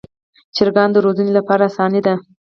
چرګان د روزنې لپاره اسانه دي.